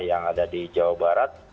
yang ada di jawa barat